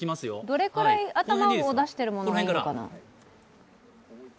どれくらい頭を出しているものがいいのかな？